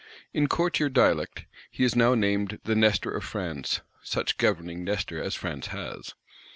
In courtier dialect, he is now named "the Nestor of France;" such governing Nestor as France has.